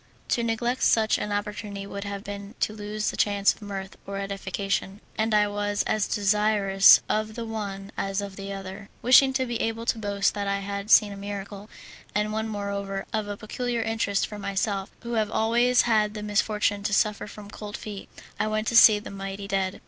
To neglect such an opportunity would have been to lose the chance of mirth or edification, and I was as desirous of the one as of the other. Wishing to be able to boast that I had seen a miracle and one, moreover, of a peculiar interest for myself, who have always had the misfortune to suffer from cold feet I went to see the mighty dead.